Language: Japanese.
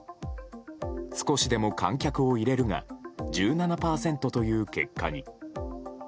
少しでも観客を入れるが１７％という結果に。